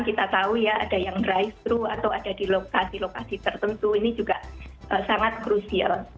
kita tahu ya ada yang drive thru atau ada di lokasi lokasi tertentu ini juga sangat krusial